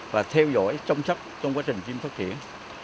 và theo dõi trông sắc trong quá trình phát triển